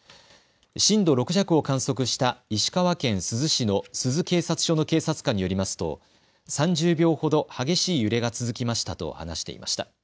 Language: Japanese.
震度６弱を観測した石川県珠洲市の珠洲警察署の警察官によりますと、３０秒ほど激しい揺れが続きましたと話していました。